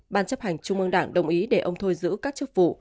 ban chấp hành trung ương đảng đồng ý để ông thôi giữ các chức vụ